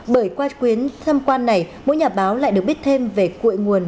bởi qua quyến tham quan này mỗi nhà báo lại được biết thêm về cuội nguồn